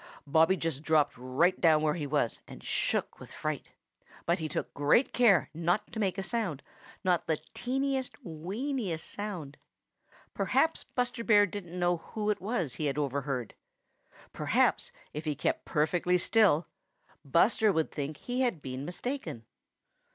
Bobby just dropped right down where he was and shook with fright. But he took great care not to make a sound, not the teeniest, weeniest sound. Perhaps Buster Bear didn't know who it was he had overheard. Perhaps, if he kept perfectly still, Buster would think he had been mistaken.